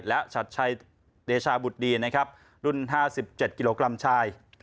และชัดชายเดชาบุฏดีรุ่น๕๗กิโลกรัมชาย